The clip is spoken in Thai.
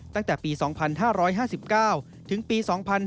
ตั้งแต่ปี๒๕๕๙ถึงปี๒๕๕๙